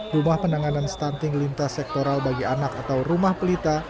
dua enam ratus lima belas rumah penanganan stunting lintas sektoral bagi anak atau rumah pelita